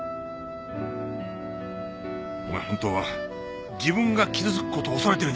本当は自分が傷つく事を恐れてるんじゃないのか？